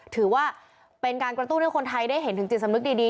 ถือว่าเป็นการกระตุ้นให้คนไทยได้เห็นถึงจิตสำนึกดี